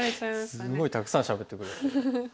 すごいたくさんしゃべってくれて。